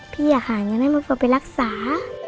พี่อยากหาเงินให้มะเฟือไปรักษา